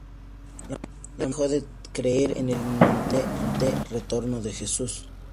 La mayoría dejó de creer en el inminente retorno de Jesús.